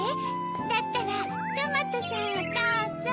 だったらトマトさんをどうぞ。